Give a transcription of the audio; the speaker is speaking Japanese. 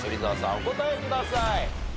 お答えください。